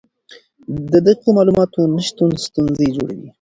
د دقیقو معلوماتو نشتون ستونزې جوړوي.